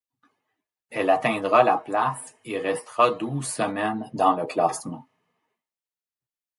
Elle atteindra la place et restera douze semaines dans le classement.